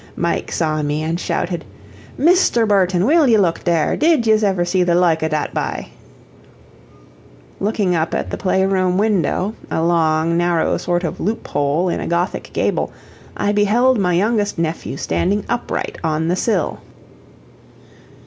Mike saw me and shouted: "Misther Burthon, will ye look dhere? Did ye's ever see the loike av dhat bye?" Looking up at the play room window, a long, narrow sort of loop hole in a Gothic gable, I beheld my youngest nephew standing upright on the sill.